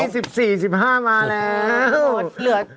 สุดที่๑๔๑๕มาแล้ว